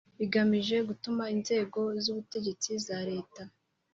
bigamije gutuma inzego z ubutegetsi za Leta